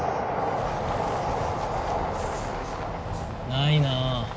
ないな。